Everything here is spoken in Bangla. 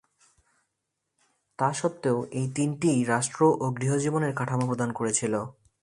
তা সত্ত্বেও, এই তিনটিই রাষ্ট্র ও গৃহ জীবনের কাঠামো প্রদান করেছিল।